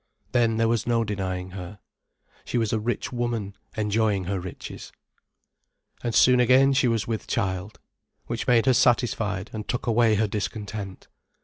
Then there was no denying her. She was a rich woman enjoying her riches. And soon again she was with child. Which made her satisfied and took away her discontent.